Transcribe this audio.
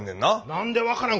何で分からん。